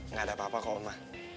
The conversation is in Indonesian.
nggak ada apa apa kok omah